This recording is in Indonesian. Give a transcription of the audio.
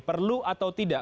perlu atau tidak